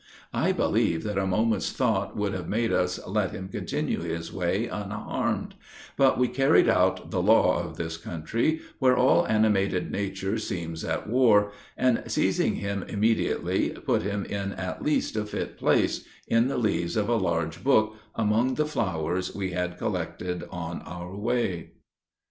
I believe that a moment's thought would have made us let him continue his way unharmed; but we carried out the law of this country, where all animated nature seems at war; and, seizing him immediately, put him in at least a fit place in the leaves of a large book, among the flowers we had collected on our way.